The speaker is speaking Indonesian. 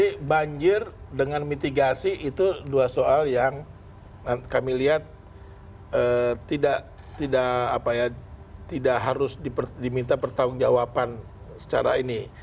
jadi banjir dengan mitigasi itu dua soal yang kami lihat tidak harus diminta pertanggung jawaban secara ini